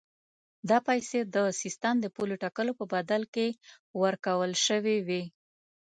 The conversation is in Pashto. دا پیسې د سیستان د پولې ټاکلو په بدل کې ورکول شوې وې.